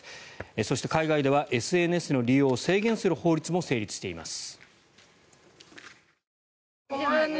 そして、海外ではＳＮＳの利用を制限する法律も成立しています。